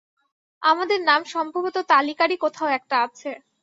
আমাদের নাম সম্ভবত তালিকারই কোথাও একটা আছে।